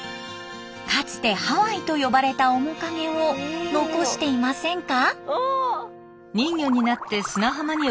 かつてハワイと呼ばれた面影を残していませんか？